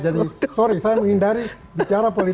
jadi sorry saya menghindari bicara politik